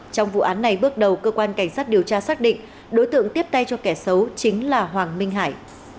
trong vụ án này bước đầu cơ quan cảnh sát điều tra xác định đối tượng tiếp tay cho kẻ xấu chính là hoàng minh hải